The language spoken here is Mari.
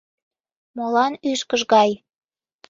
— Молан ӱшкыж гай?